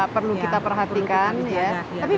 perlu kita perhatikan tapi